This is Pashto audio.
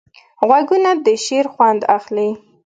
غوږونه د شعر خوند اخلي